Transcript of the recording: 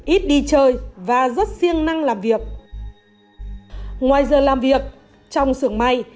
ít đi chơi và rất siêng năng làm việc ngoài giờ làm việc trong sưởng may